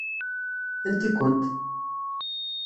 Anti-kent?